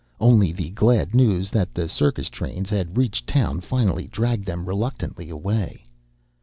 Only the glad news that the circus trains had reached town finally dragged them reluctantly away.